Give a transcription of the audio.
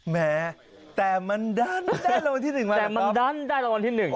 แหมแต่มันดันได้รวรที่๑มานะครับแต่มันดันได้รวรที่๑นะ